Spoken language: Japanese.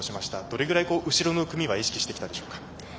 どれぐらい後ろの組は意識してきたんでしょうか。